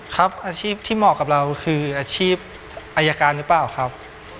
ครับอาชีพที่เหมาะกับเราคืออาชีพอายการหรือเปล่าครับ